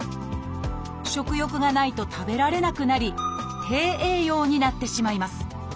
食欲がないと食べられなくなり「低栄養」になってしまいます。